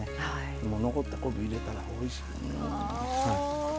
残った昆布を入れたらおいしい。